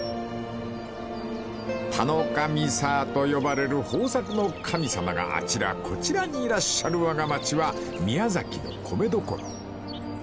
［「田の神さぁ」と呼ばれる豊作の神様があちらこちらにいらっしゃるわが町は宮崎の米どころ］